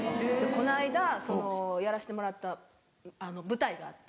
この間やらせてもらった舞台があって。